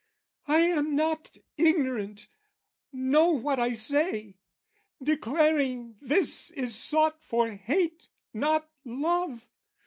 "I am not ignorant, know what I say, "Declaring this is sought for hate, not love.